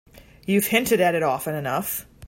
You've hinted it often enough.